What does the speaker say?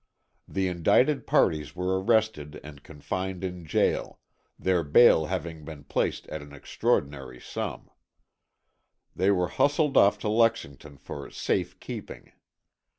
The indicted parties were arrested and confined in jail, their bail having been placed at an exorbitant sum. They were hustled off to Lexington for "safekeeping."